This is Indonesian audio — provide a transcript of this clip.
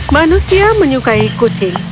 manusia menyukai kucing